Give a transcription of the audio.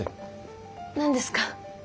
何ですか？